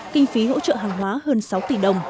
kinh phí hỗ trợ hàng hóa hơn sáu tỷ đồng